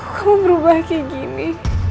kamu berubah kayak gini